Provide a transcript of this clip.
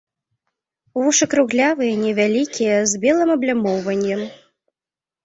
Вушы круглявыя, невялікія, з белым аблямоўваннем.